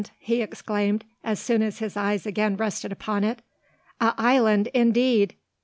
he exclaimed, as soon as his eyes again rested upon it. "A island, indeed!